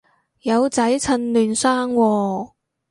有仔趁嫩生喎